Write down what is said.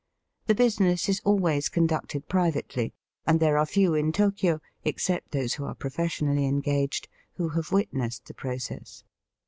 The business is always conducted privately, and there are few in Tokio, except those who are professionally engaged, who have witnessed the process.